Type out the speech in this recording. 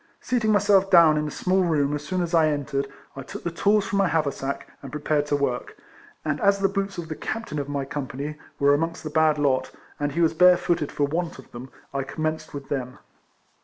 Seating my self down in a small room as soon as I en tered, I took the tools from my haversack and prepared to work ; and as the boots of the Captain of my Company, were amongst the bad lot, and he was bare footed for want of them, I commenced with thein.